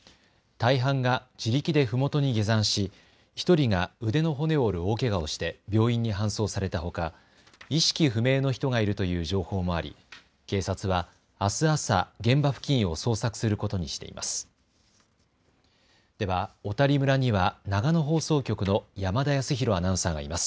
大半が自力でふもとに下山し１人が腕の骨を折る大けがをして病院に搬送されたほか意識不明の人がいるという情報もあり、警察はあす朝、現場付近を捜索することにしています。